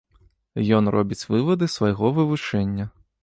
Ён робіць вывады свайго вывучэння.